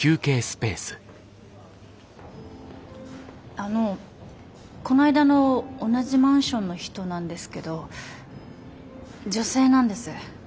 あのこないだの同じマンションの人なんですけど女性なんです。